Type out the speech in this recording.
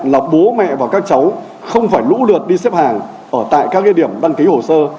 là bố mẹ và các cháu không phải lũ lượt đi xếp hàng ở tại các địa điểm đăng ký hồ sơ